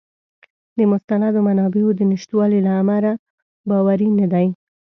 د مستندو منابعو د نشتوالي له امله باوری نه دی.